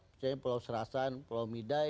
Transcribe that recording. misalnya pulau serasan pulau midai